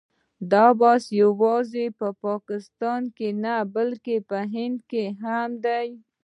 دا بحثونه یوازې په پاکستان کې نه بلکې په هند کې هم دي.